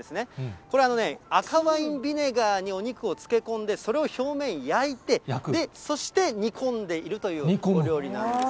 これ、赤ワインビネガーにお肉を漬け込んで、それを表面焼いて、そして煮込んでいるというお料理なんです。